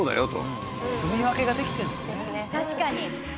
確かに。